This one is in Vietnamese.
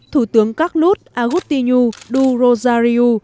thủ tướng các lút agutinho do rosario